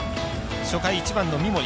初回、１番の三森。